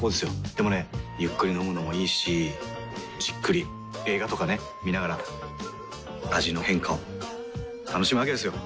でもねゆっくり飲むのもいいしじっくり映画とかね観ながら味の変化を楽しむわけですよ。